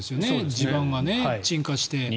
地盤が沈下して。